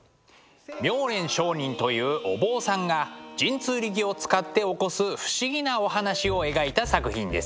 命蓮上人というお坊さんが神通力を使って起こす不思議なお話を描いた作品です。